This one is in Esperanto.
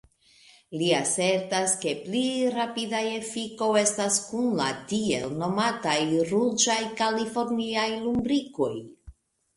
Li asertas, ke pli rapida efiko estas kun la tiel nomataj ruĝaj kaliforniaj lumbrikoj.